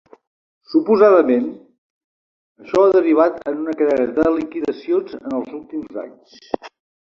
Suposadament, això ha derivat en una cadena de liquidacions en els últims anys.